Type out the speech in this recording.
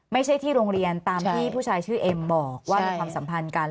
ไม่ใช่ที่โรงเรียนตามที่ผู้ชายชื่อเอ็มบอกว่ามีความสัมพันธ์กัน